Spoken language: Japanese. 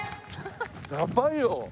やばいよ。